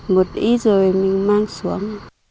một ít rồi mình mang xuống